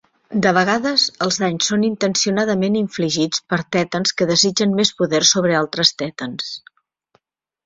De vegades, els danys són intencionadament infligits per thetans que desitgen més poder sobre altres thetans.